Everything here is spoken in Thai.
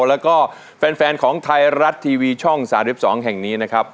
แล้วก็แฟนของไทยรัฐทีวีช่อง๓๒แห่งนี้นะครับ